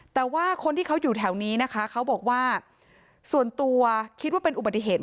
แต่ว่าคนที่เขาอยู่แถวนี้นะคะเขาบอกว่าส่วนตัวคิดว่าเป็นอุบัติเหตุ